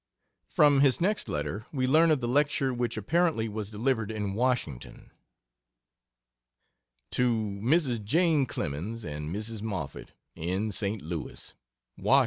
From his next letter we learn of the lecture which apparently was delivered in Washington. To Mrs. Jane Clemens and Mrs. Moffett, in St. Louis: WASH.